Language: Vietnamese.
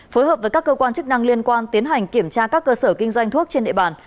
phối hợp với các cơ quan chức năng liên quan tiến hành kiểm tra các cơ sở kinh doanh thuốc trên địa bàn